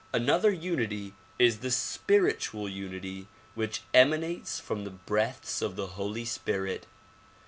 Another unity is the spiritual unity which emanates from the breaths of the Holy Spirit.